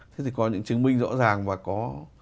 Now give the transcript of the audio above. thế thì có những chứng minh rõ ràng và có